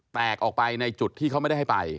แตกออกไปในจุดที่เขาไม่ได้ให้ไป